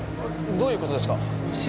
どういう事ですか？